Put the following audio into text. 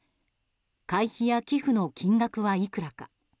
会費や寄付の金額はいくらか。